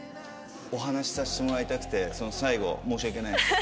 お話しさせてもらいたくて最後申し訳ないです。